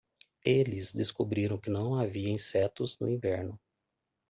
Eles descobriram que não havia insetos no inverno.